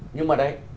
nhưng mà đấy